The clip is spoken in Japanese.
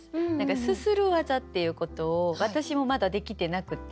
すする技っていうことを私もまだできてなくて。